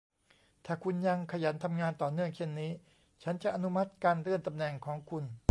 ถ้าคุณยังขยันทำงานต่อเนื่องเช่นนี้ ฉันจะอนุมัติการเลื่อนตำแหน่งคุณ